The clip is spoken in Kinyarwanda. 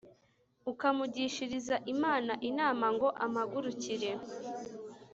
ukamugishiriza Imana inama ngo ampagurukire